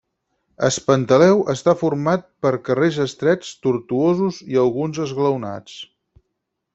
Es Pantaleu està format per carrers estrets, tortuosos i alguns esglaonats.